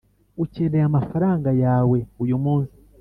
ukeneye amafaranga yawe uyu munsi.